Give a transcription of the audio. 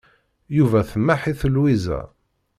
Yuba temmaḥ-it Lwiza.